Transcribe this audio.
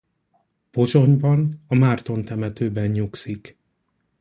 Pozsonyban a Márton-temetőben nyugszik.